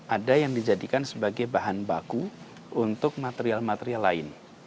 ada yang dijadikan sebagai bahan baku untuk material material lain